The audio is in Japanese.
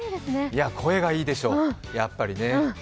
いや、声がいいでしょう、やっぱりね。